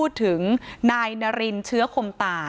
จนสนิทกับเขาหมดแล้วเนี่ยเหมือนเป็นส่วนหนึ่งของครอบครัวเขาไปแล้วอ่ะ